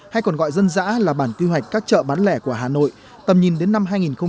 hay còn gọi dân dã là bản quy hoạch các chợ bán lẻ của hà nội tầm nhìn đến năm hai nghìn ba mươi